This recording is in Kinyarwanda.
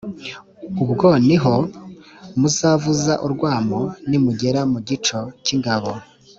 ubwo ni ho muzavuza urwamo nimugera mugico cy’ingabo.